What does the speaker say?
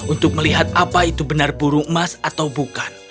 untuk melihat apa itu benar burung emas atau bukan